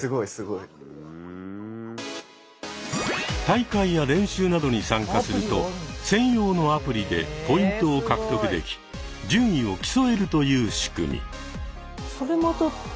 大会や練習などに参加すると専用のアプリでポイントを獲得でき順位を競えるという仕組み。